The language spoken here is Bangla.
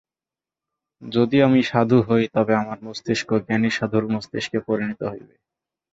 যদি আমি সাধু হই, তবে আমার মস্তিষ্ক জ্ঞানী সাধুর মস্তিষ্কে পরিণত হইবে।